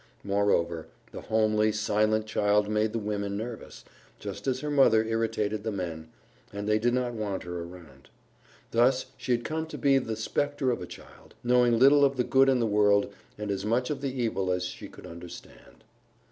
Moreover, the homely, silent child made the women nervous, just as her mother irritated the men, and they did not want her around. Thus she had come to be but the specter of a child, knowing little of the good in the world and as much of the evil as she could understand.